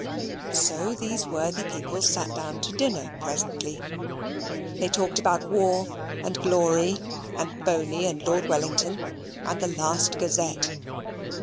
So these worthy people sat down to dinner presently. They talked about war and glory, and Boney and Lord Wellington, and the last Gazette.